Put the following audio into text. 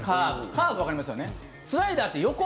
カーブ、わかりますよね。